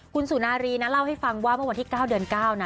คุณสุนารีนะเล่าให้ฟังว่าเมื่อวันที่๙เดือน๙นะ